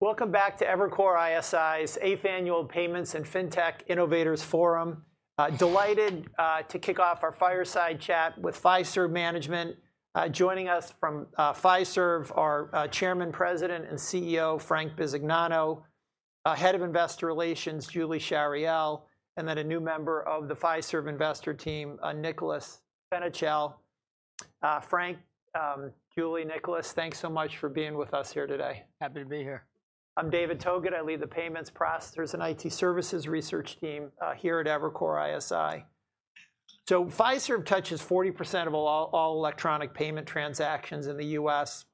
Welcome back to Evercore ISI's eighth annual Payments and FinTech Innovators Forum. Delighted to kick off our fireside chat with Fiserv management. Joining us from Fiserv, our Chairman, President, and CEO Frank Bisignano, Head of Investor Relations Julie Chariell, and then a new member of the Fiserv investor team, Nicholas Benachel. Frank, Julie, Nicholas, thanks so much for being with us here today. Happy to be here. I'm David Togut. I lead the Payments, Processors, and IT Services Research Team here at Evercore ISI. Fiserv touches 40% of all electronic payment transactions in the U.S.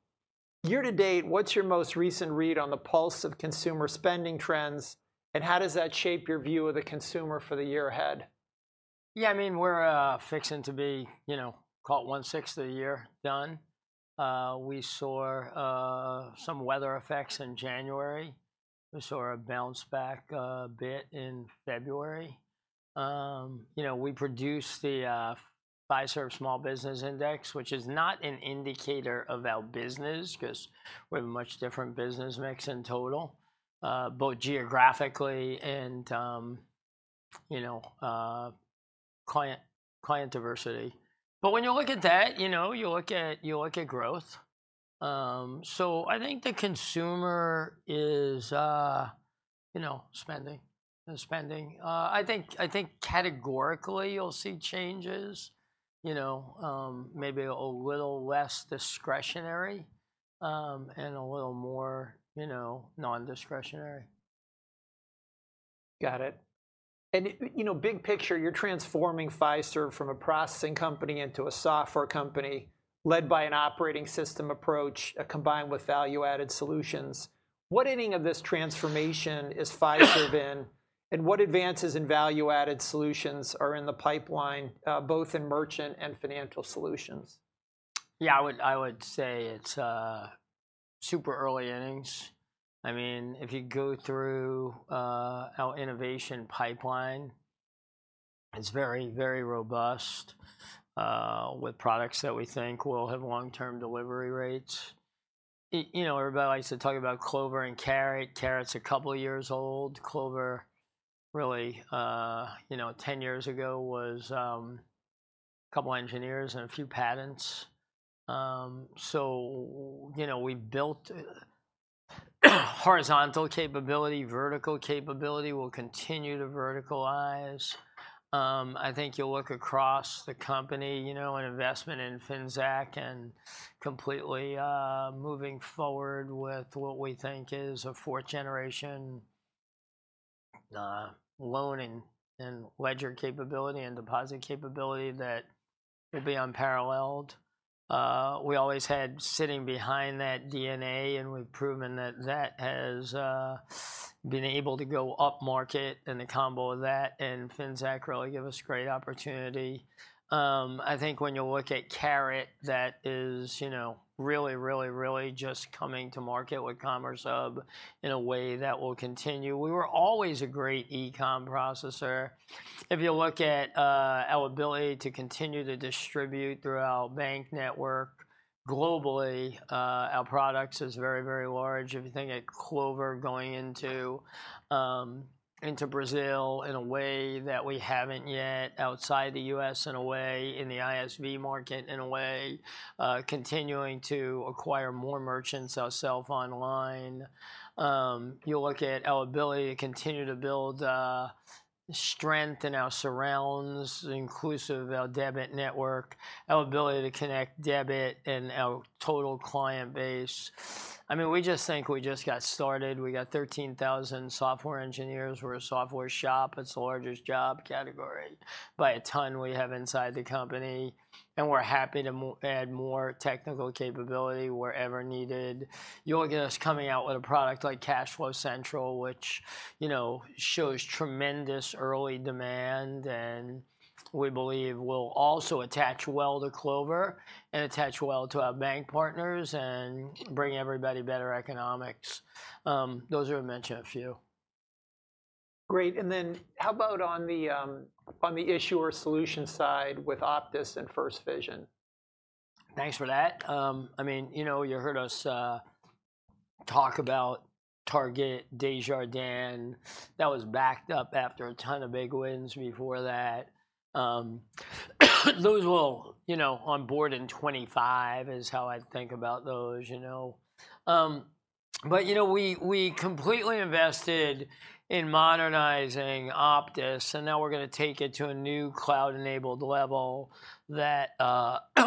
Year to date, what's your most recent read on the pulse of consumer spending trends, and how does that shape your view of the consumer for the year ahead? Yeah, I mean, we're fixing to be call in 1/6 of the year done. We saw some weather effects in January. We saw a bounce back bit in February. We produced the Fiserv Small Business Index, which is not an indicator of our business because we have a much different business mix in total, both geographically and client diversity. But when you look at that, you look at growth. So I think the consumer is spending. I think categorically you'll see changes, maybe a little less discretionary and a little more non-discretionary. Got it. And big picture, you're transforming Fiserv from a processing company into a software company led by an operating system approach combined with value-added solutions. What ending of this transformation is Fiserv in, and what advances in value-added solutions are in the pipeline, both in merchant and financial solutions? Yeah, I would say it's super early innings. I mean, if you go through our innovation pipeline, it's very, very robust with products that we think will have long-term delivery rates. Everybody likes to talk about Clover and Carat. Carat's a couple of years old. Clover, really, 10 years ago, was a couple of engineers and a few patents. So we built horizontal capability, vertical capability. We'll continue to verticalize. I think you'll look across the company in investment in fintech and completely moving forward with what we think is a fourth-generation loan and ledger capability and deposit capability that will be unparalleled. We always had sitting behind that DNA, and we've proven that that has been able to go up market. And the combo of that and fintech really give us great opportunity. I think when you look at Carat, that is really just coming to market with Commerce Hub in a way that will continue. We were always a great e-commerce processor. If you look at our ability to continue to distribute throughout our bank network globally, our products are very, very large. If you think at Clover going into Brazil in a way that we haven't yet, outside the U.S. in a way, in the ISV market in a way, continuing to acquire more merchants ourselves online. You'll look at our ability to continue to build strength in our surrounds, inclusive our debit network, our ability to connect debit and our total client base. I mean, we just think we just got started. We got 13,000 software engineers. We're a software shop. It's the largest job category by a ton we have inside the company. We're happy to add more technical capability wherever needed. You'll get us coming out with a product like CashFlow Central, which shows tremendous early demand. We believe we'll also attach well to Clover and attach well to our bank partners and bring everybody better economics. Those are to mention a few. Great. And then how about on the issuer solution side with Optis and First Vision? Thanks for that. I mean, you heard us talk about Target, Desjardins. That was backed up after a ton of big wins before that. Those will onboard in 2025 is how I think about those. But we completely invested in modernizing Optis. And now we're going to take it to a new cloud-enabled level that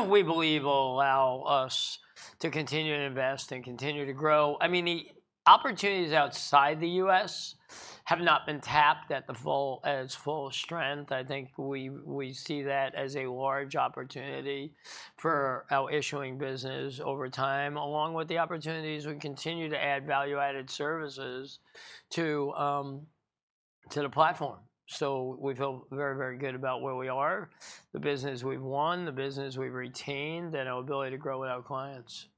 we believe will allow us to continue to invest and continue to grow. I mean, the opportunities outside the U.S. have not been tapped at its full strength. I think we see that as a large opportunity for our issuing business over time, along with the opportunities we continue to add value-added services to the platform. So we feel very, very good about where we are, the business we've won, the business we've retained, and our ability to grow with our clients.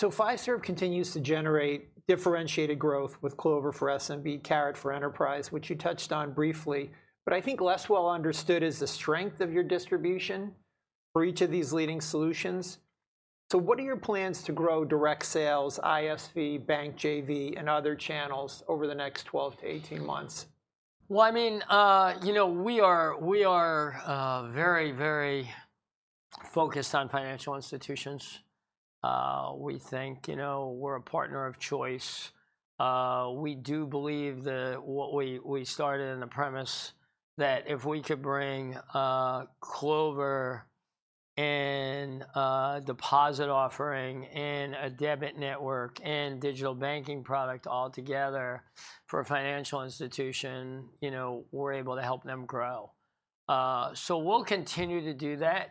So Fiserv continues to generate differentiated growth with Clover for SMB, Carat for enterprise, which you touched on briefly, but I think less well understood is the strength of your distribution for each of these leading solutions. So what are your plans to grow direct sales, ISV, bank JV, and other channels over the next 12-18 months? Well, I mean, we are very focused on financial institutions. We think we're a partner of choice. We do believe that what we started on the premise that if we could bring Clover and deposit offering and a debit network and digital banking product all together for a financial institution, we're able to help them grow. So we'll continue to do that.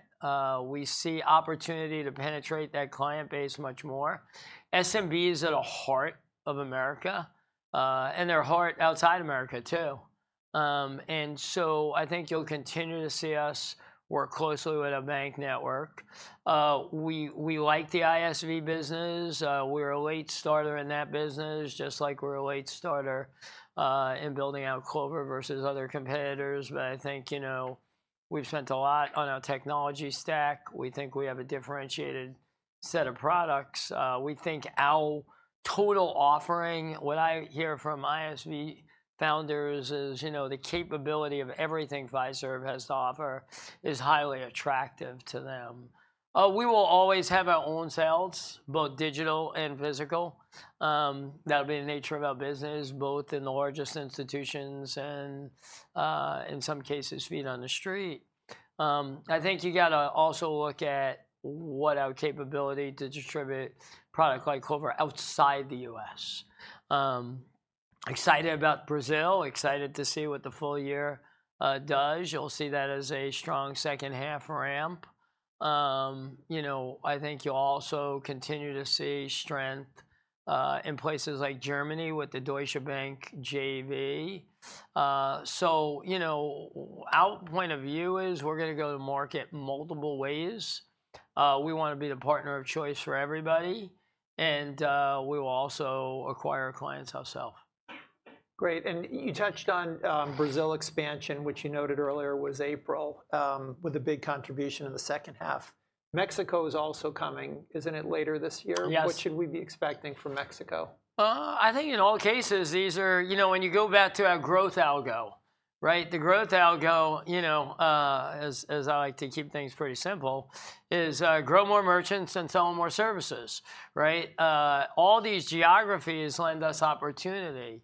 We see opportunity to penetrate that client base much more. SMB is at the heart of America, and they're the heart outside America, too. And so I think you'll continue to see us work closely with our bank network. We like the ISV business. We're a late starter in that business, just like we're a late starter in building out Clover versus other competitors. But I think we've spent a lot on our technology stack. We think we have a differentiated set of products. We think our total offering, what I hear from ISV founders, is the capability of everything Fiserv has to offer is highly attractive to them. We will always have our own sales, both digital and physical. That'll be the nature of our business, both in the largest institutions and, in some cases, feet on the street. I think you got to also look at our capability to distribute product like Clover outside the U.S. Excited about Brazil. Excited to see what the full year does. You'll see that as a strong second half ramp. I think you'll also continue to see strength in places like Germany with the Deutsche Bank JV. So our point of view is we're going to go to market multiple ways. We want to be the partner of choice for everybody. We will also acquire clients ourselves. Great. And you touched on Brazil expansion, which you noted earlier was April with a big contribution in the second half. Mexico is also coming, isn't it, later this year? Yes. What should we be expecting from Mexico? I think in all cases, these are when you go back to our growth algo, right? The growth algo, as I like to keep things pretty simple, is grow more merchants and sell more services. All these geographies lend us opportunity.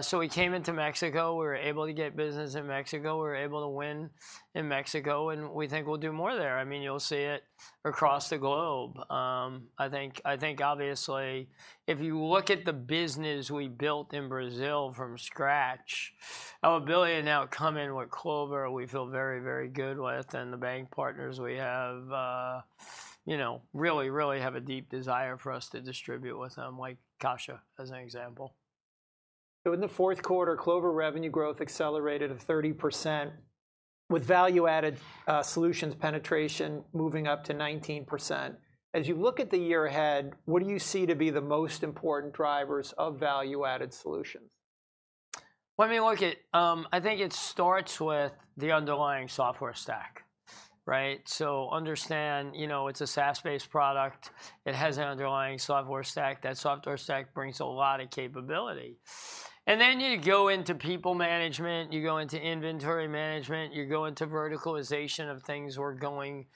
So we came into Mexico. We were able to get business in Mexico. We were able to win in Mexico. And we think we'll do more there. I mean, you'll see it across the globe. I think, obviously, if you look at the business we built in Brazil from scratch, our ability now to come in with Clover, we feel very good with. And the bank partners we have really, really have a deep desire for us to distribute with them, like Caixa as an example. In the Q4, Clover revenue growth accelerated of 30% with value-added solutions penetration moving up to 19%. As you look at the year ahead, what do you see to be the most important drivers of value-added solutions? Let me look at. I think it starts with the underlying software stack. So understand it's a SaaS-based product. It has an underlying software stack. That software stack brings a lot of capability. And then you go into people management. You go into inventory management. You go into verticalization of things we're going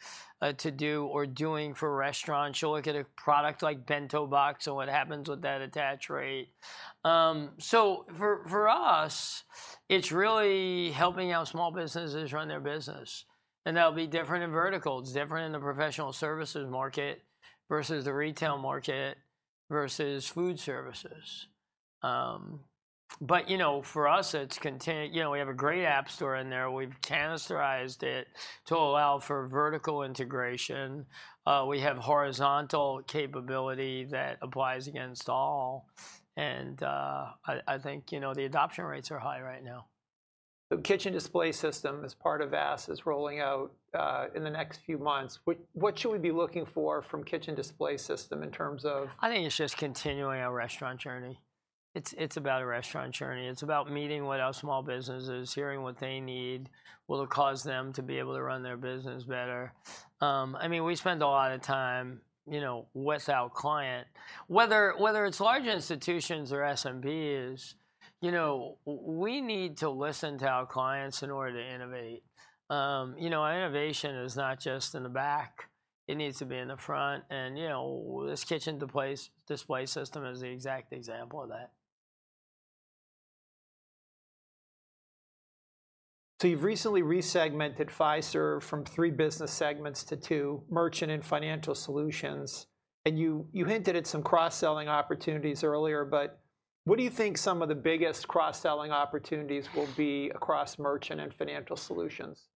to do or doing for restaurants. You'll look at a product like BentoBox and what happens with that attach rate. So for us, it's really helping our small businesses run their business. And that'll be different in verticals. Different in the professional services market versus the retail market versus food services. But for us, it's we have a great app store in there. We've containerized it to allow for vertical integration. We have horizontal capability that applies against all. And I think the adoption rates are high right now. Kitchen Display System as part of VAS is rolling out in the next few months. What should we be looking for from Kitchen Display System in terms of? I think it's just continuing our restaurant journey. It's about a restaurant journey. It's about meeting with our small businesses, hearing what they need. Will it cause them to be able to run their business better? I mean, we spend a lot of time with our client, whether it's large institutions or SMBs. We need to listen to our clients in order to innovate. Innovation is not just in the back. It needs to be in the front. And this kitchen display system is the exact example of that. So you've recently resegmented Fiserv from three business segments to two, Merchant and Financial Solutions. And you hinted at some cross-selling opportunities earlier. But what do you think some of the biggest cross-selling opportunities will be across Merchant and Financial Solutions?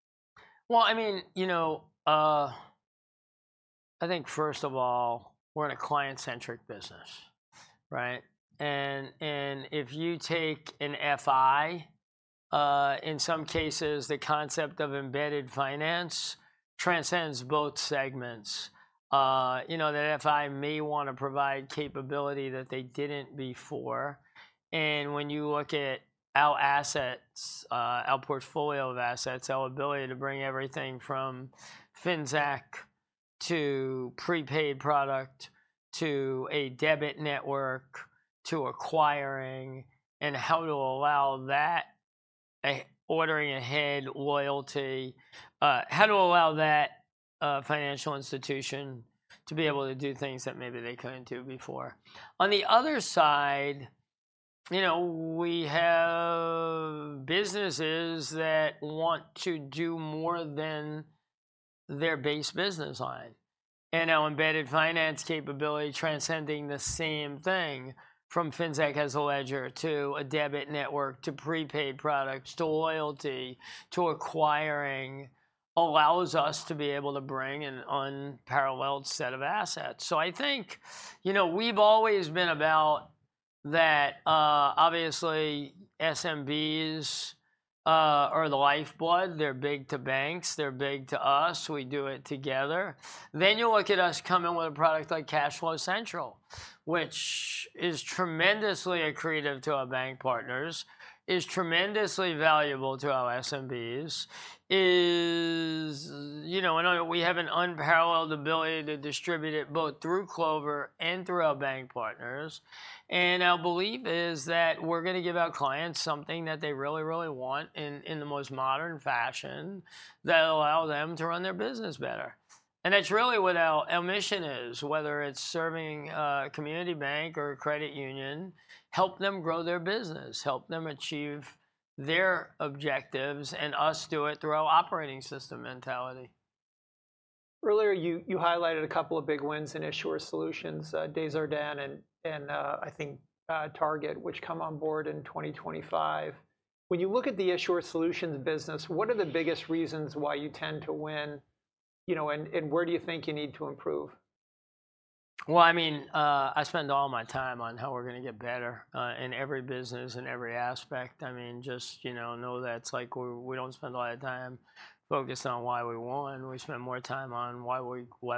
Well, I mean, I think, first of all, we're in a client-centric business. And if you take an FI, in some cases, the concept of embedded finance transcends both segments. That FI may want to provide capability that they didn't before. And when you look at our assets, our portfolio of assets, our ability to bring everything from fintech to prepaid product to a debit network to acquiring and how to allow that ordering ahead loyalty, how to allow that financial institution to be able to do things that maybe they couldn't do before. On the other side, we have businesses that want to do more than their base business line. And our embedded finance capability transcending the same thing from fintech as a ledger to a debit network to prepaid products to loyalty to acquiring allows us to be able to bring an unparalleled set of assets. So I think we've always been about that. Obviously, SMBs are the lifeblood. They're big to banks. They're big to us. We do it together. Then you'll look at us coming with a product like CashFlow Central, which is tremendously accretive to our bank partners, is tremendously valuable to our SMBs. And we have an unparalleled ability to distribute it both through Clover and through our bank partners. And our belief is that we're going to give our clients something that they really want in the most modern fashion that'll allow them to run their business better. And that's really what our mission is, whether it's serving community bank or credit union, help them grow their business, help them achieve their objectives, and us do it through our operating system mentality. Earlier, you highlighted a couple of big wins in issuer solutions, Desjardins and, I think, Target, which come on board in 2025. When you look at the issuer solutions business, what are the biggest reasons why you tend to win? Where do you think you need to improve? Well, I mean, I spend all my time on how we're going to get better in every business, in every aspect. I mean, just know that we don't spend a lot of time focused on why we won. We spend more time on why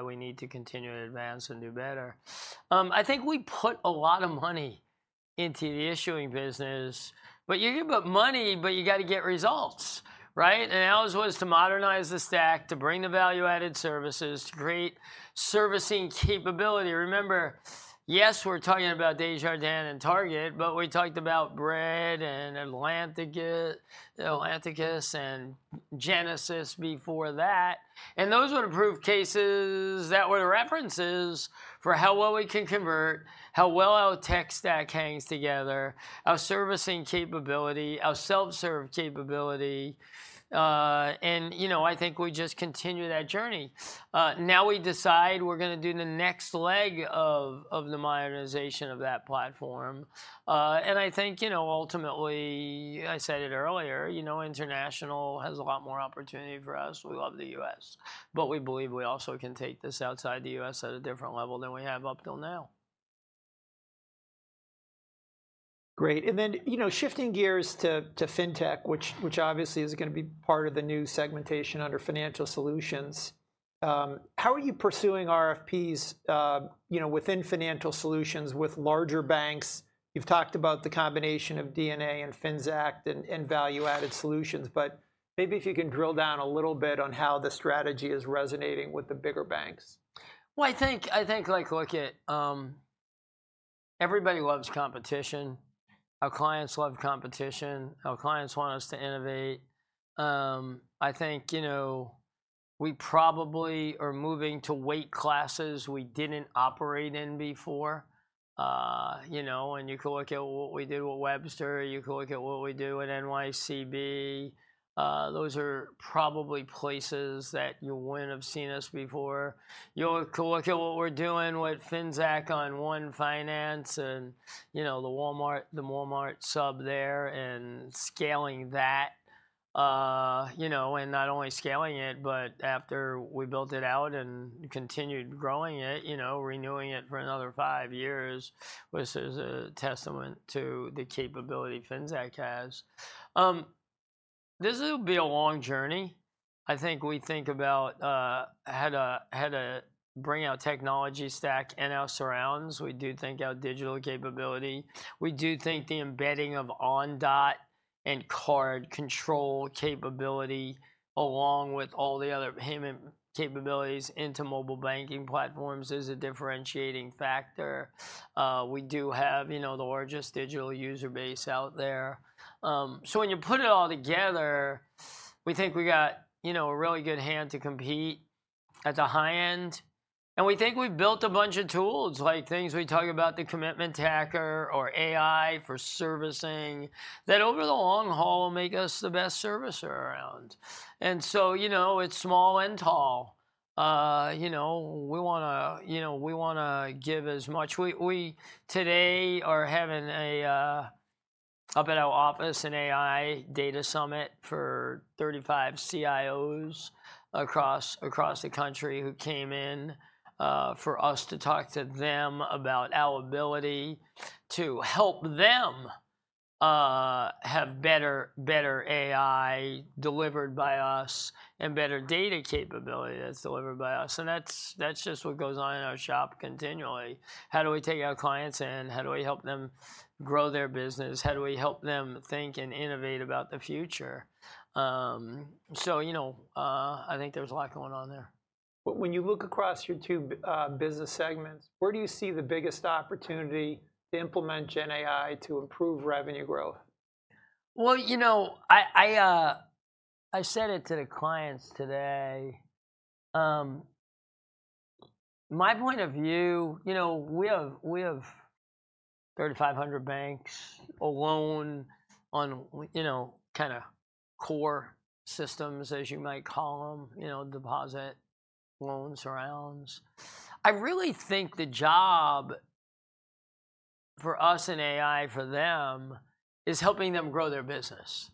we need to continue to advance and do better. I think we put a lot of money into the issuing business. But you give up money, but you got to get results. And ours was to modernize the stack, to bring the value-added services, to create servicing capability. Remember, yes, we're talking about Desjardins and Target. But we talked about BRED and Atlanticus and Genesis before that. And those were the proof cases. That were the references for how well we can convert, how well our tech stack hangs together, our servicing capability, our self-serve capability. And I think we just continue that journey. Now we decide we're going to do the next leg of the modernization of that platform. I think, ultimately, I said it earlier, international has a lot more opportunity for us. We love the U.S. But we believe we also can take this outside the U.S. at a different level than we have up till now. Great. Then shifting gears to fintech, which obviously is going to be part of the new segmentation under Financial Solutions, how are you pursuing RFPs within Financial Solutions with larger banks? You've talked about the combination of DNA and fintech and value-added solutions. But maybe if you can drill down a little bit on how the strategy is resonating with the bigger banks. Well, I think, look, everybody loves competition. Our clients love competition. Our clients want us to innovate. I think we probably are moving to weight classes we didn't operate in before. You can look at what we did with Webster. You can look at what we do at NYCB. Those are probably places that you wouldn't have seen us before. You can look at what we're doing with fintech on One Finance and the Walmart sub there and scaling that. Not only scaling it, but after we built it out and continued growing it, renewing it for another five years, which is a testament to the capability fintech has. This will be a long journey. I think we think about how to bring out technology stack in our surrounds. We do think our digital capability. We do think the embedding of Ondot and card control capability, along with all the other payment capabilities into mobile banking platforms, is a differentiating factor. We do have the largest digital user base out there. So when you put it all together, we think we got a really good hand to compete at the high end. We think we've built a bunch of tools, like things we talk about, the commitment tracker or AI for servicing, that, over the long haul, will make us the best servicer around. It's small and tall. We want to give as much. We, today, are having up at our office an AI Data Summit for 35 CIOs across the country who came in for us to talk to them about our ability to help them have better AI delivered by us and better data capability that's delivered by us. That's just what goes on in our shop continually. How do we take our clients in? How do we help them grow their business? How do we help them think and innovate about the future? I think there's a lot going on there. When you look across your two business segments, where do you see the biggest opportunity to implement GenAI to improve revenue growth? Well, I said it to the clients today. My point of view, we have 3,500 banks alone on kind of core systems, as you might call them, deposit loans, surrounds. I really think the job for us in AI for them is helping them grow their business.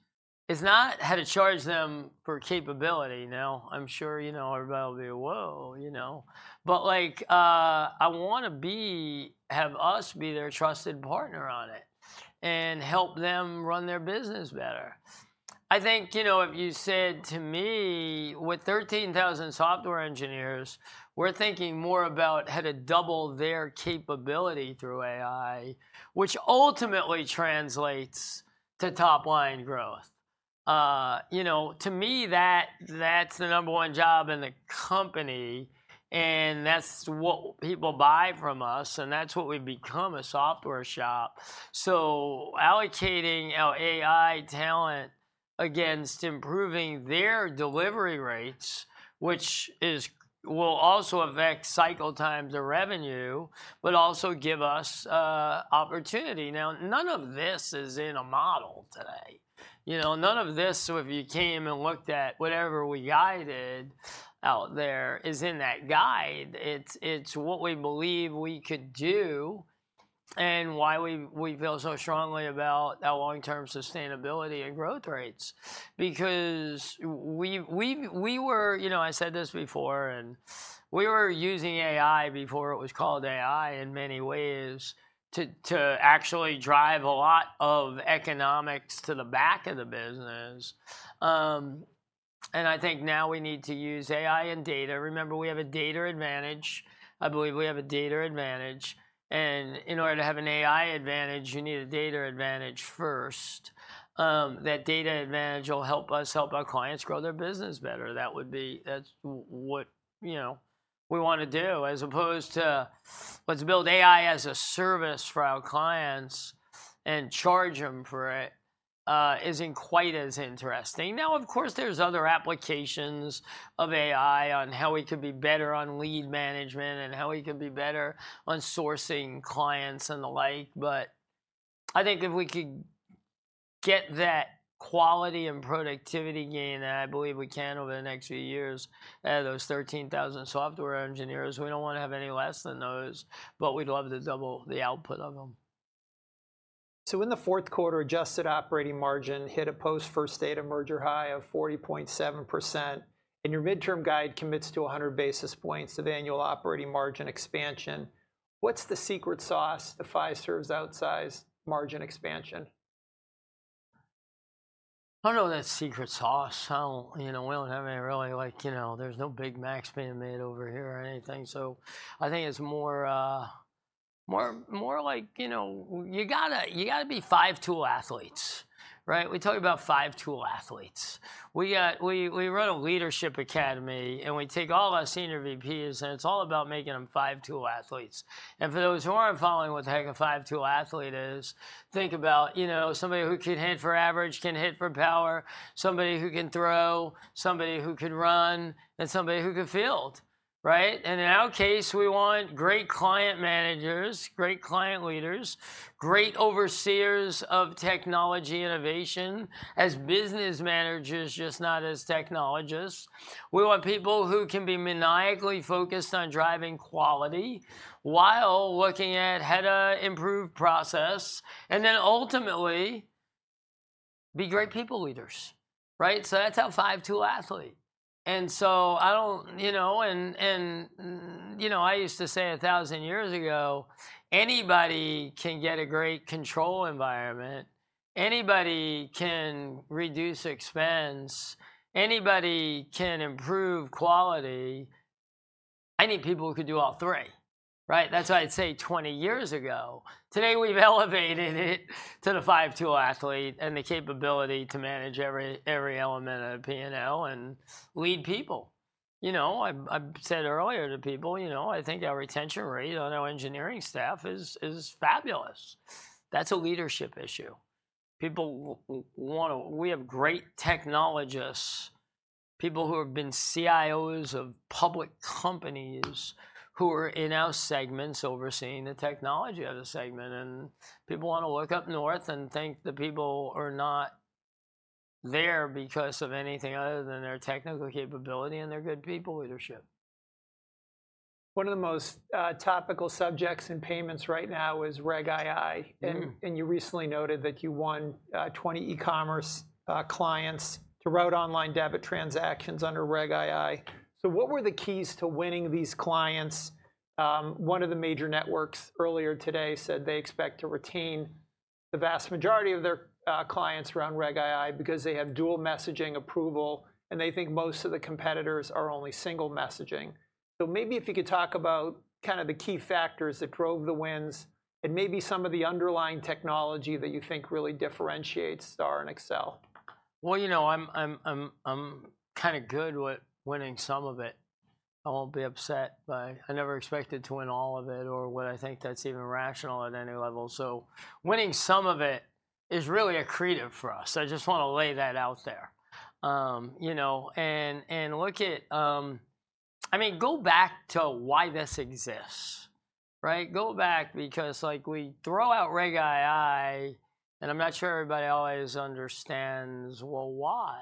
It's not how to charge them for capability. Now, I'm sure everybody will be like, whoa. But I want to have us be their trusted partner on it and help them run their business better. I think if you said to me, with 13,000 software engineers, we're thinking more about how to double their capability through AI, which ultimately translates to top-line growth. To me, that's the number one job in the company. That's what people buy from us. That's what we've become, a software shop. So, allocating our AI talent against improving their delivery rates, which will also affect cycle times of revenue but also give us opportunity. Now, none of this is in a model today. None of this, if you came and looked at whatever we guided out there, is in that guide. It's what we believe we could do and why we feel so strongly about our long-term sustainability and growth rates. Because we were. I said this before. And we were using AI before it was called AI in many ways to actually drive a lot of economics to the back of the business. And I think now we need to use AI and data. Remember, we have a data advantage. I believe we have a data advantage. And in order to have an AI advantage, you need a data advantage first. That data advantage will help us help our clients grow their business better. That's what we want to do, as opposed to let's build AI as a service for our clients and charge them for it, isn't quite as interesting. Now, of course, there's other applications of AI on how we could be better on lead management and how we could be better on sourcing clients and the like. But I think if we could get that quality and productivity gain, and I believe we can over the next few years, out of those 13,000 software engineers, we don't want to have any less than those. But we'd love to double the output of them. So when the Q4 adjusted operating margin hit a post-First Data merger high of 40.7% and your midterm guide commits to 100 basis points of annual operating margin expansion, what's the secret sauce to Fiserv's outsized margin expansion? I don't know what that secret sauce sounds. We don't have any. Really, there's no big math being made over here or anything. So I think it's more like you got to be five-tool athletes. We talk about five-tool athletes. We run a leadership academy. We take all our senior VPs. It's all about making them five-tool athletes. For those who aren't following what the heck a five-tool athlete is, think about somebody who could hit for average, can hit for power, somebody who could throw, somebody who could run, and somebody who could field. In our case, we want great client managers, great client leaders, great overseers of technology innovation as business managers, just not as technologists. We want people who can be maniacally focused on driving quality while looking at how to improve process and then, ultimately, be great people leaders. So that's our five-tool athlete. And so I used to say 1,000 years ago, anybody can get a great control environment. Anybody can reduce expense. Anybody can improve quality. I need people who could do all three. That's what I'd say 20 years ago. Today, we've elevated it to the five-tool athlete and the capability to manage every element of P&L and lead people. I've said earlier to people, I think our retention rate on our engineering staff is fabulous. That's a leadership issue. We have great technologists, people who have been CIOs of public companies who are in our segments overseeing the technology of the segment. And people want to look up north and think the people are not there because of anything other than their technical capability and their good people leadership. One of the most topical subjects in payments right now is Reg II. You recently noted that you won 20 e-commerce clients to route online debit transactions under Reg II. So what were the keys to winning these clients? One of the major networks earlier today said they expect to retain the vast majority of their clients around Reg II because they have dual messaging approval. They think most of the competitors are only single messaging. So maybe if you could talk about kind of the key factors that drove the wins and maybe some of the underlying technology that you think really differentiates STAR and Accel. Well, you know I'm kind of good with winning some of it. I won't be upset by. I never expected to win all of it or what I think that's even rational at any level. So winning some of it is really accretive for us. I just want to lay that out there. And look, I mean, go back to why this exists. Go back, because we throw out Reg II. And I'm not sure everybody always understands, well, why?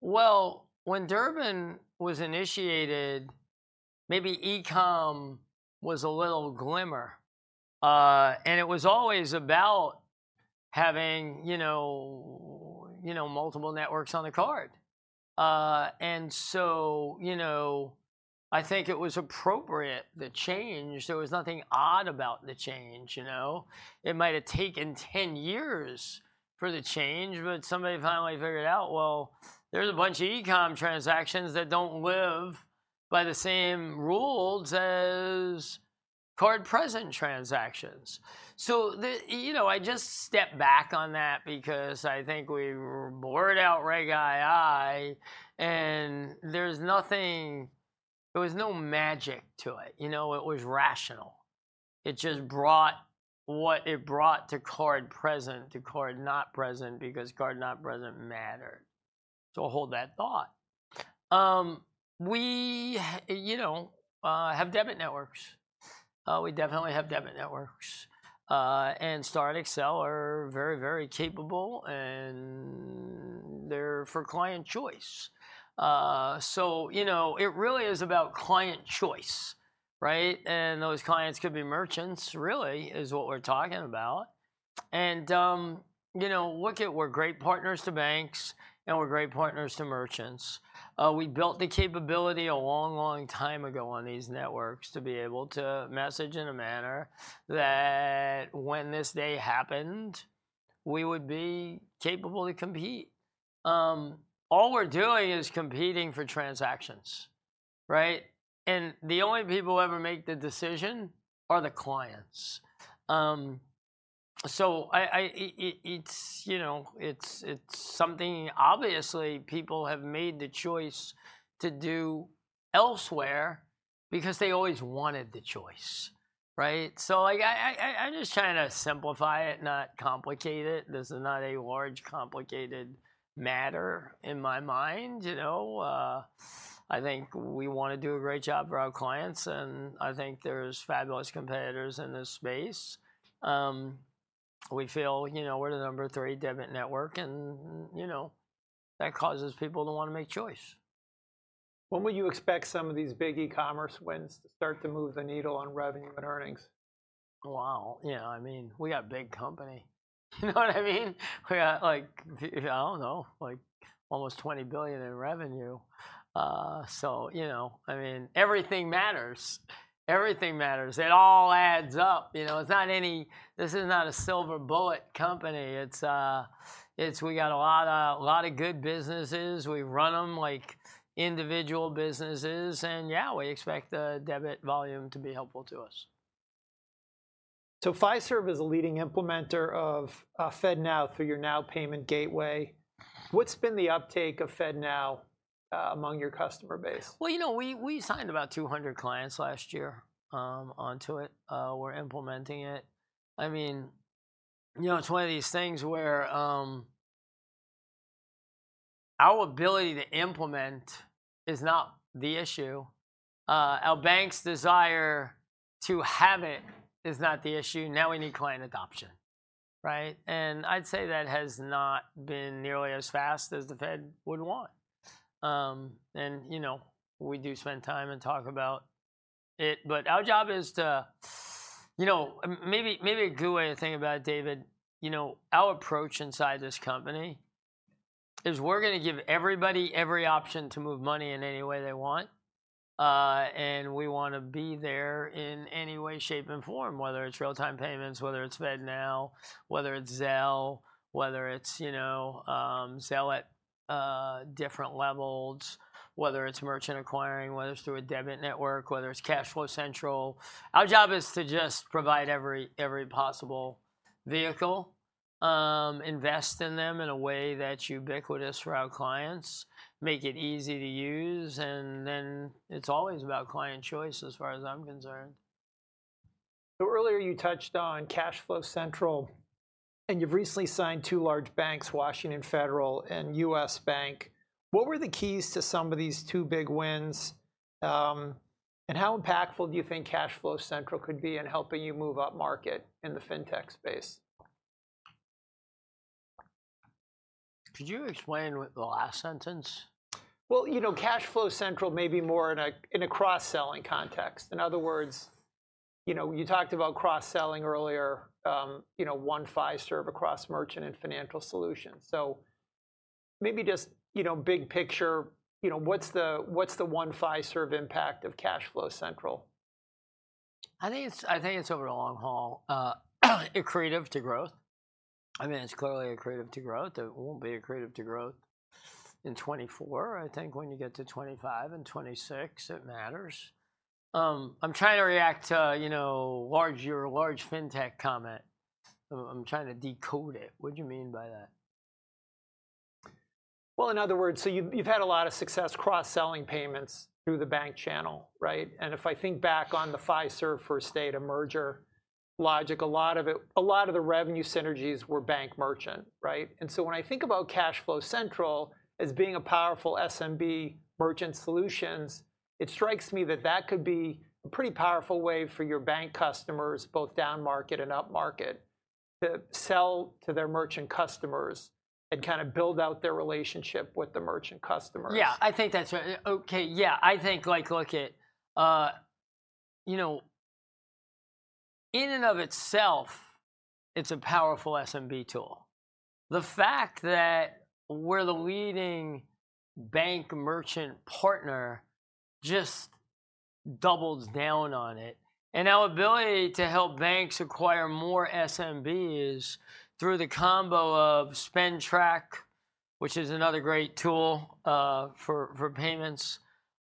Well, when Durbin was initiated, maybe e-com was a little glimmer. And it was always about having multiple networks on the card. And so I think it was appropriate, the change. There was nothing odd about the change. It might have taken 10 years for the change. But somebody finally figured out, well, there's a bunch of e-com transactions that don't live by the same rules as card-present transactions. So I just stepped back on that because I think we were bored out Reg II. And there was no magic to it. It was rational. It just brought what it brought to card-present, to card-not-present, because card-not-present mattered. So I'll hold that thought. We have debit networks. We definitely have debit networks. And STAR and Accel are very capable. And they're for client choice. So it really is about client choice. And those clients could be merchants, really, is what we're talking about. And look at we're great partners to banks. And we're great partners to merchants. We built the capability a long, long time ago on these networks to be able to message in a manner that, when this day happened, we would be capable to compete. All we're doing is competing for transactions. And the only people who ever make the decision are the clients.It's somthing, obviously, people have made the choice to do elsewhere because they always wanted the choice. I'm just trying to simplify it, not complicate it. This is not a large, complicated matter in my mind. I think we want to do a great job for our clients. I think there's fabulous competitors in this space. We feel we're the number three debit network. That causes people to want to make choice. When would you expect some of these big e-commerce wins to start to move the needle on revenue and earnings? Wow. Yeah. I mean, we got a big company. You know what I mean? We got, I don't know, almost $20 billion in revenue. So I mean, everything matters. Everything matters. It all adds up. It's not any. This is not a silver bullet company. We got a lot of good businesses. We run them like individual businesses. And yeah, we expect the debit volume to be helpful to us. So Fiserv is a leading implementer of FedNow through your Now Payment Gateway. What's been the uptake of FedNow among your customer base? Well, you know we signed about 200 clients last year onto it. We're implementing it. I mean, it's one of these things where our ability to implement is not the issue. Our banks' desire to have it is not the issue. Now we need client adoption. I'd say that has not been nearly as fast as the Fed would want. We do spend time and talk about it. But our job is to - maybe a good way to think about it, David—our approach inside this company is we're going to give everybody every option to move money in any way they want. We want to be there in any way, shape, and form, whether it's real-time payments, whether it's FedNow, whether it's Zelle, whether it's Zelle at different levels, whether it's merchant acquiring, whether it's through a debit network, whether it's CashFlow Central. Our job is to just provide every possible vehicle, invest in them in a way that's ubiquitous for our clients, make it easy to use. And then it's always about client choice, as far as I'm concerned. Earlier, you touched on CashFlow Central. You've recently signed two large banks, Washington Federal and U.S. Bank. What were the keys to some of these two big wins? How impactful do you think CashFlow Central could be in helping you move up market in the fintech space? Could you explain the last sentence? Well, CashFlow Central may be more in a cross-selling context. In other words, you talked about cross-selling earlier, one Fiserv across merchant and financial solutions. So maybe just big picture, what's the one Fiserv impact of CashFlow Central? I think it's, over the long haul, accretive to growth. I mean, it's clearly accretive to growth. It won't be accretive to growth in 2024. I think when you get to 2025 and 2026, it matters. I'm trying to react to your large fintech comment. I'm trying to decode it. What do you mean by that? Well, in other words, so you've had a lot of success cross-selling payments through the bank channel. And if I think back on the Fiserv First Data merger logic, a lot of the revenue synergies were bank-merchant. And so when I think about Cashflow Central as being a powerful SMB merchant solutions, it strikes me that that could be a pretty powerful way for your bank customers, both down-market and up-market, to sell to their merchant customers and kind of build out their relationship with the merchant customers. Yeah. I think that's right. Okay. Yeah. I think, look at it in and of itself, it's a powerful SMB tool. The fact that we're the leading bank-merchant partner just doubles down on it. And our ability to help banks acquire more SMBs through the combo of SpendTrack, which is another great tool for payments,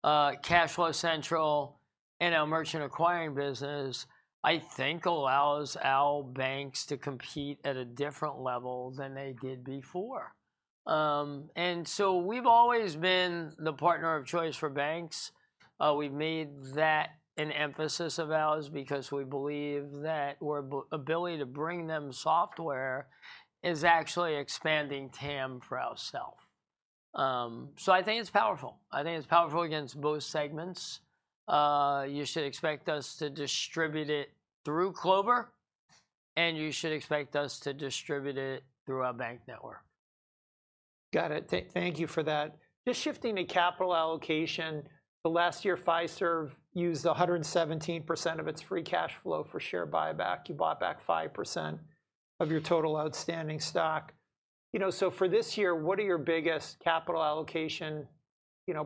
CashFlow Central, and our merchant acquiring business, I think allows our banks to compete at a different level than they did before. And so we've always been the partner of choice for banks. We've made that an emphasis of ours because we believe that our ability to bring them software is actually expanding TAM for ourself. So I think it's powerful. I think it's powerful against both segments. You should expect us to distribute it through Clover. And you should expect us to distribute it through our bank network. Got it. Thank you for that. Just shifting to capital allocation, the last year, Fiserv used 117% of its free cash flow for share buyback. You bought back 5% of your total outstanding stock. So for this year, what are your biggest capital allocation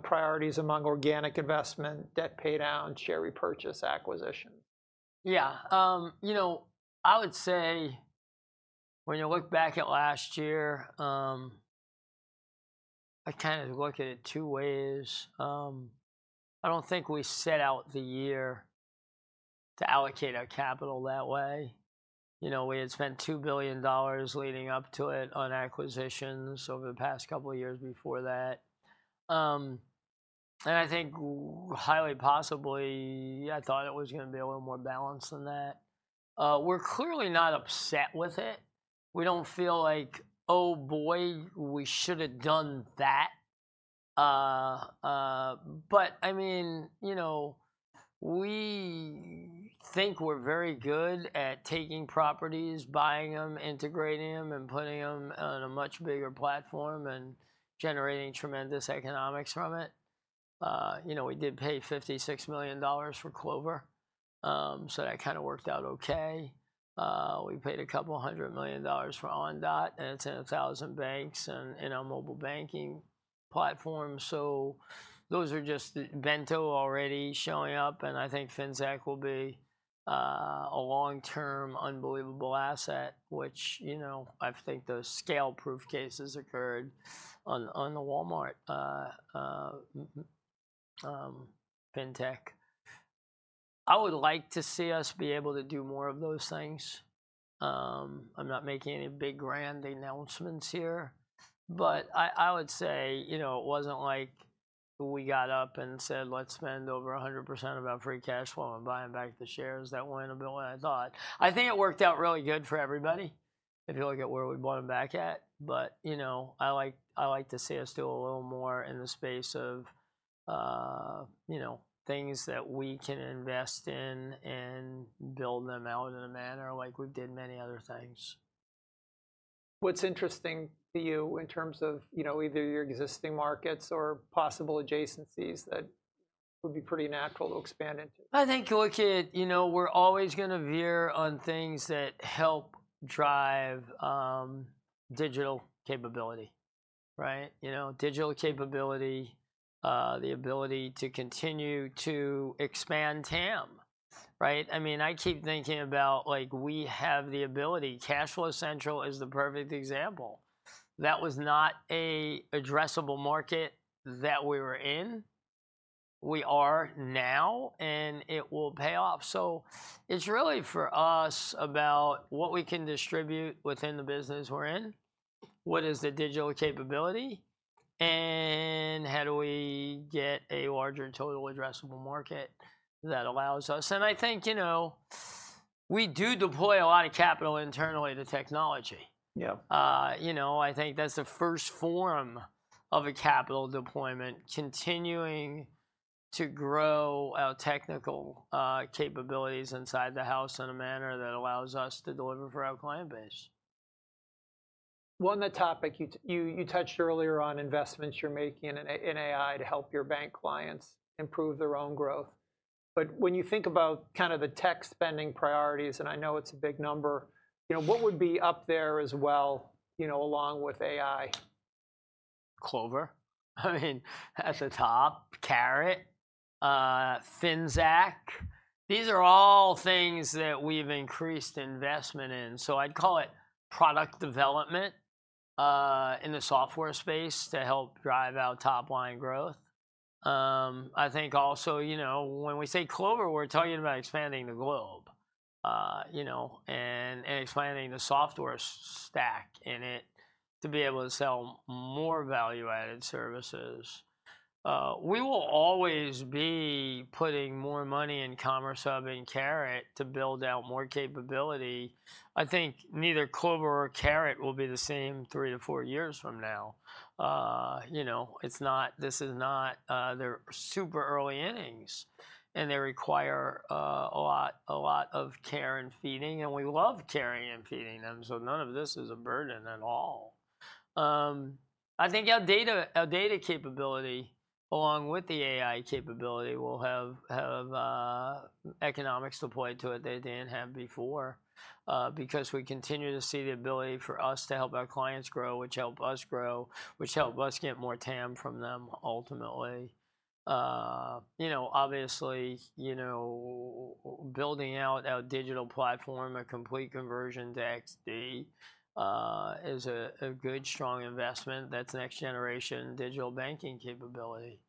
priorities among organic investment, debt paydown, share repurchase, acquisition? Yeah. You know, I would say, when you look back at last year, I kind of look at it two ways. I don't think we set out the year to allocate our capital that way. We had spent $2 billion leading up to it on acquisitions over the past couple of years before that. And I think, highly possibly, I thought it was going to be a little more balanced than that. We're clearly not upset with it. We don't feel like, oh, boy, we should have done that. But I mean, we think we're very good at taking properties, buying them, integrating them, and putting them on a much bigger platform and generating tremendous economics from it. We did pay $56 million for Clover. So that kind of worked out okay. We paid $200 million for OnDot. It's in 1,000 banks and in our mobile banking platform. So those are just Bento already showing up. And I think Finxact will be a long-term unbelievable asset, which I think the scale-proof cases occurred on the Walmart fintech. I would like to see us be able to do more of those things. I'm not making any big grand announcements here. But I would say it wasn't like we got up and said, let's spend over 100% of our free cash flow on buying back the shares that went a bit like I thought. I think it worked out really good for everybody, if you look at where we bought them back at. But I like to see us do a little more in the space of things that we can invest in and build them out in a manner like we've did many other things. What's interesting to you in terms of either your existing markets or possible adjacencies that would be pretty natural to expand into? I think, look at where we're always going to veer on things that help drive digital capability. Digital capability, the ability to continue to expand TAM. I mean, I keep thinking about we have the ability. CashFlow Central is the perfect example. That was not an addressable market that we were in. We are now. It will pay off. So it's really, for us, about what we can distribute within the business we're in, what is the digital capability, and how do we get a larger total addressable market that allows us. I think we do deploy a lot of capital internally to technology. I think that's the first form of a capital deployment, continuing to grow our technical capabilities inside the house in a manner that allows us to deliver for our client base. One of the topics you touched earlier on investments you're making in AI to help your bank clients improve their own growth. But when you think about kind of the tech spending priorities and I know it's a big number, what would be up there as well along with AI? Clover. I mean, at the top, Carat, Finxact. These are all things that we've increased investment in. So I'd call it product development in the software space to help drive out top-line growth. I think, also, when we say Clover, we're talking about expanding globally and expanding the software stack in it to be able to sell more value-added services. We will always be putting more money in Commerce Hub and Carat to build out more capability. I think neither Clover nor Carat will be the same three or four years from now. This is not. They're super early innings. And they require a lot of care and feeding. And we love caring and feeding them. So none of this is a burden at all. I think our data capability, along with the AI capability, will have economics deployed to it that it didn't have before because we continue to see the ability for us to help our clients grow, which help us grow, which help us get more TAM from them, ultimately. Obviously, building out our digital platform, a complete conversion to XD, is a good, strong investment. That's next-generation digital banking capability.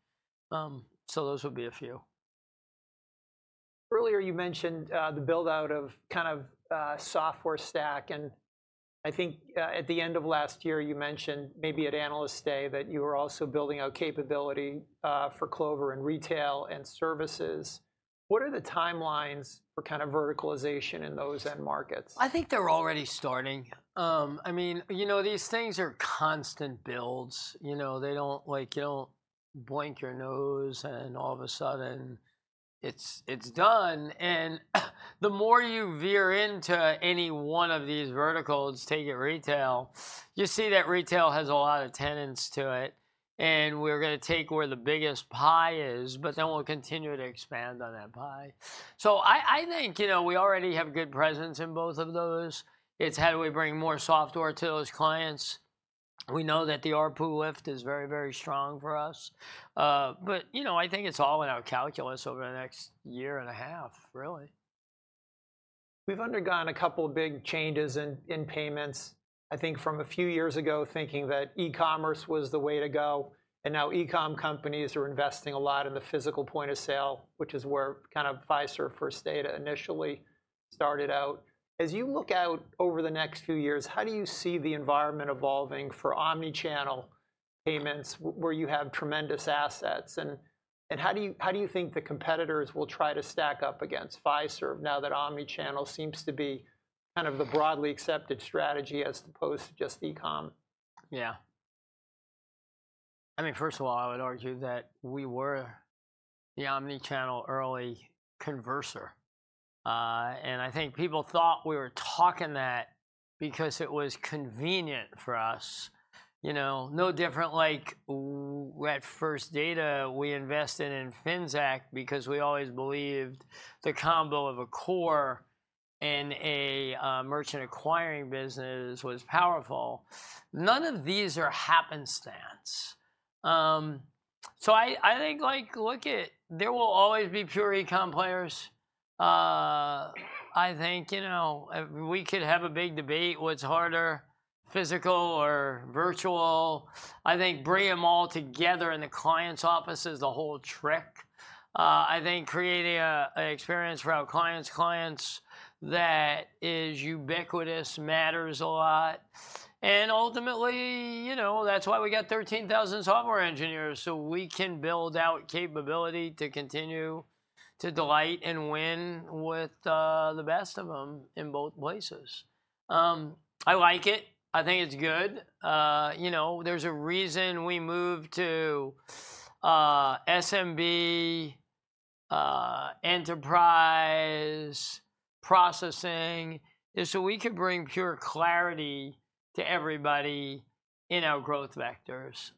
So those would be a few. Earlier, you mentioned the build-out of kind of software stack. I think, at the end of last year, you mentioned, maybe at Analyst Day, that you were also building out capability for Clover in retail and services. What are the timelines for kind of verticalization in those end markets? I think they're already starting. I mean, these things are constant builds. They don't you don't blink an eye. And all of a sudden, it's done. And the more you veer into any one of these verticals, take it retail, you see that retail has a lot of tenants to it. And we're going to take where the biggest pie is. But then we'll continue to expand on that pie. So I think we already have good presence in both of those. It's how do we bring more software to those clients. We know that the ARPU lift is very strong for us. But I think it's all in our calculus over the next year and a half, really. We've undergone a couple of big changes in payments, I think, from a few years ago, thinking that e-commerce was the way to go. And now e-com companies are investing a lot in the physical point of sale, which is where kind of Fiserv First Data initially started out. As you look out over the next few years, how do you see the environment evolving for omnichannel payments where you have tremendous assets? And how do you think the competitors will try to stack up against Fiserv now that omnichannel seems to be kind of the broadly accepted strategy as opposed to just e-com? Yeah. I mean, first of all, I would argue that we were the omnichannel early converser. I think people thought we were talking that because it was convenient for us. No different like at First Data, we invested in Finxact because we always believed the combo of a core and a merchant acquiring business was powerful. None of these are happenstance. I think, look, there will always be pure e-com players. I think we could have a big debate what's harder, physical or virtual. I think bringing them all together in the client's office is the whole trick. I think creating an experience for our client's clients that is ubiquitous matters a lot. And ultimately, that's why we got 13,000 software engineers. So we can build out capability to continue to delight and win with the best of them in both places. I like it. I think it's good. There's a reason we moved to SMB enterprise processing is so we could bring pure clarity to everybody in our growth vectors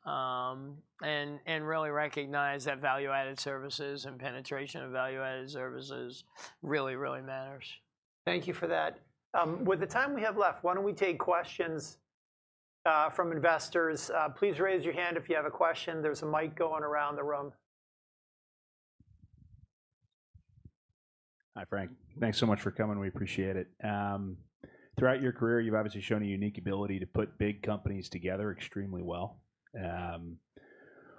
and really recognize that value-added services and penetration of value-added services really matters. Thank you for that. With the time we have left, why don't we take questions from investors? Please raise your hand if you have a question. There's a mic going around the room. Hi, Frank. Thanks so much for coming. We appreciate it. Throughout your career, you've obviously shown a unique ability to put big companies together extremely well. I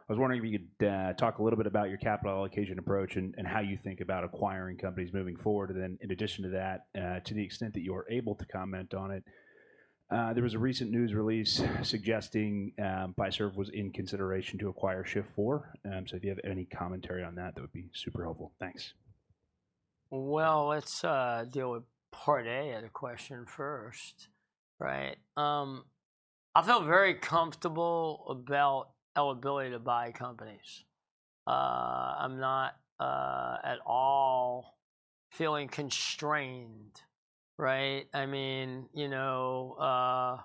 was wondering if you could talk a little bit about your capital allocation approach and how you think about acquiring companies moving forward. And then, in addition to that, to the extent that you are able to comment on it, there was a recent news release suggesting Fiserv was in consideration to acquire Shift4. So if you have any commentary on that, that would be super helpful. Thanks. Well, let's deal with part A of the question first. I feel very comfortable about our ability to buy companies. I'm not at all feeling constrained. I mean, our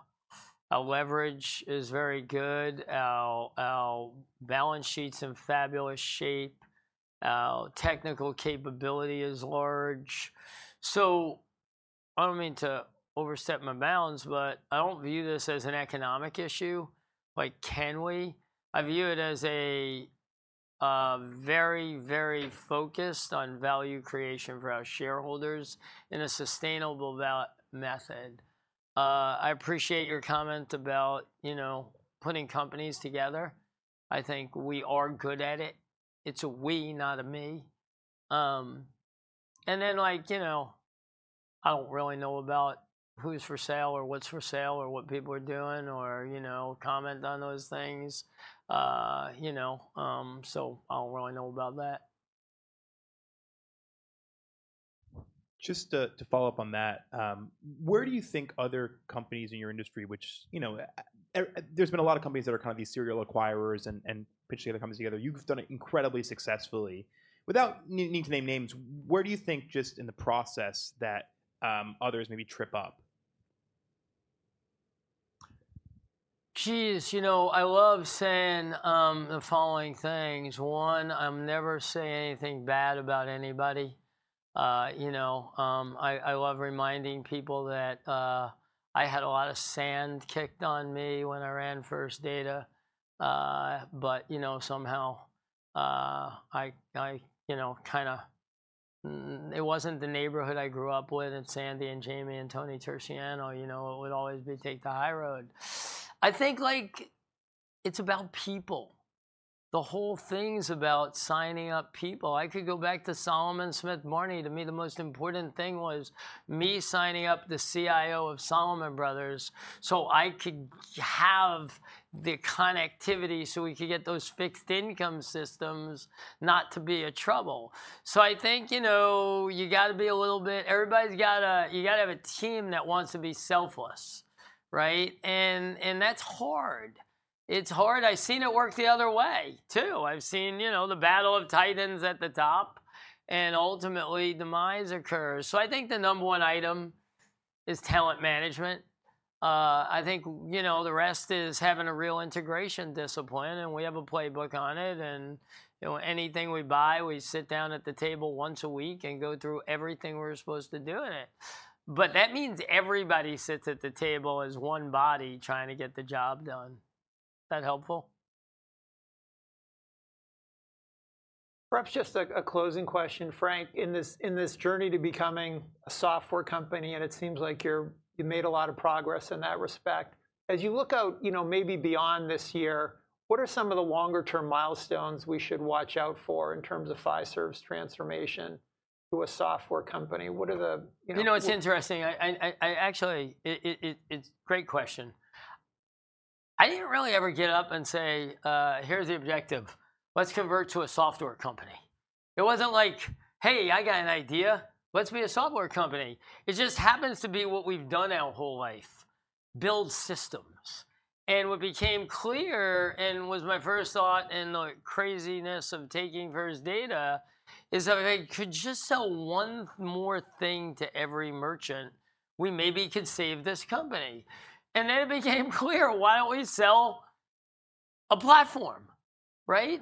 leverage is very good. Our balance sheet's in fabulous shape. Our technical capability is large. So I don't mean to overstep my bounds. But I don't view this as an economic issue. Can we? I view it as very, very focused on value creation for our shareholders in a sustainable method. I appreciate your comment about putting companies together. I think we are good at it. It's a we, not a me. And then, you know I don't really know about who's for sale or what's for sale or what people are doing or comment on those things. So I don't really know about that. Just to follow up on that, where do you think other companies in your industry, which there's been a lot of companies that are kind of these serial acquirers and pitching other companies together? You've done it incredibly successfully. Without needing to name names, where do you think, just in the process, that others maybe trip up? Geez, you know I love saying the following things. One, I'm never saying anything bad about anybody. You know I love reminding people that I had a lot of sand kicked on me when I ran First Data. But somehow, I kind of it wasn't the neighborhood I grew up with in Sandy and Jamie and Tony Terracciano. It would always be take the high road. I think it's about people. The whole thing's about signing up people. I could go back to Salomon Smith Barney. To me, the most important thing was me signing up the CIO of Salomon Brothers so I could have the connectivity so we could get those fixed income systems not to be a trouble. So I think you've got to be a little bit everybody's got to you've got to have a team that wants to be selfless. And that's hard. It's hard. I've seen it work the other way, too. I've seen the battle of titans at the top. Ultimately, demise occurs. I think the number one item is talent management. I think the rest is having a real integration discipline. We have a playbook on it. Anything we buy, we sit down at the table once a week and go through everything we're supposed to do in it. That means everybody sits at the table as one body trying to get the job done. Is that helpful? Perhaps just a closing question, Frank. In this journey to becoming a software company, and it seems like you made a lot of progress in that respect, as you look out maybe beyond this year, what are some of the longer-term milestones we should watch out for in terms of Fiserv's transformation to a software company? What are the. You know, it's interesting. Actually, it's a great question. I didn't really ever get up and say, here's the objective. Let's convert to a software company. It wasn't like, hey, I got an idea. Let's be a software company. It just happens to be what we've done our whole life, build systems. And what became clear and was my first thought in the craziness of taking First Data is if I could just sell one more thing to every merchant, we maybe could save this company. And then it became clear, why don't we sell a platform?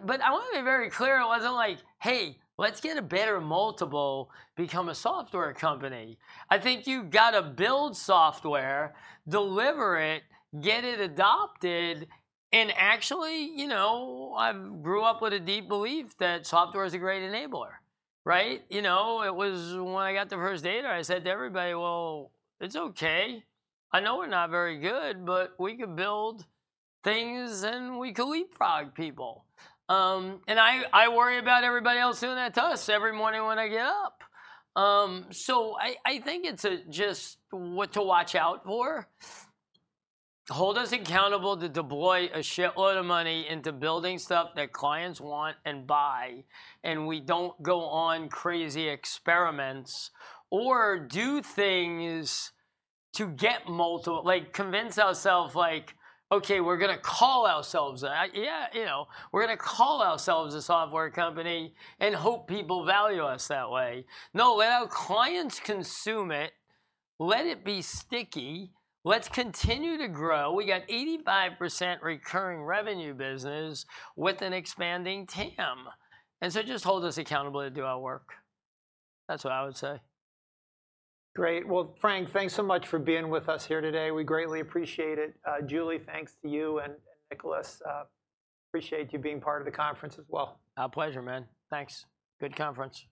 But I want to be very clear. It wasn't like, hey, let's get a better multiple, become a software company. I think you've got to build software, deliver it, get it adopted. And actually, I grew up with a deep belief that software is a great enabler. It was when I got to First Data, I said to everybody, well, it's okay. I know we're not very good. But we could build things. And we could leapfrog people. And I worry about everybody else doing that to us every morning when I get up. So I think it's just what to watch out for. Hold us accountable to deploy a shitload of money into building stuff that clients want and buy. And we don't go on crazy experiments or do things to get multiple convince ourselves like, okay we're going to call ourselves yeah, you know we're going to call ourselves a software company and hope people value us that way. No, let our clients consume it. Let it be sticky. Let's continue to grow. We got 85% recurring revenue business with an expanding TAM. And so just hold us accountable to do our work. That's what I would say. Great. Well, Frank, thanks so much for being with us here today. We greatly appreciate it. Julie, thanks to you and Nicholas. Appreciate you being part of the conference as well. Our pleasure, man. Thanks. Good conference.